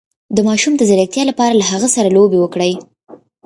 د ماشوم د ځیرکتیا لپاره له هغه سره لوبې وکړئ